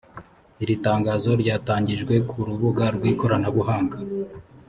iri tangazo ryatangarijwe ku rubuga rw ikoranabuhanga